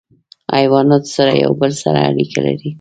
حیوانات سره یو بل سره اړیکه لري.